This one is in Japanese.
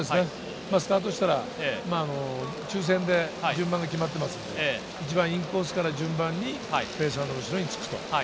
スタートしたら抽選で順番が決まっていますので、一番インコースから順番にペーサーの後ろにつきます。